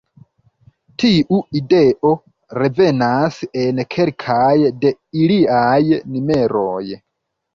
Tiu ideo revenas en kelkaj de iliaj numeroj.